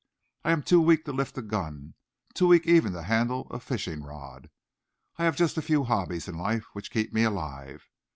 I am too weak to lift a gun, too weak even to handle a fishing rod. I have just a few hobbies in life which keep me alive.